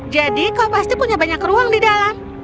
jadi kau pasti punya banyak ruang di dalam